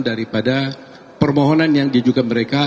daripada permohonan yang diduga mereka